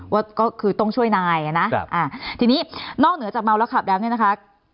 ว่าก็คือต้องช่วยนายนะทีนี้นอกเหนือจากเมาหลังขับแดงนี้นะคะ